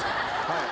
はい。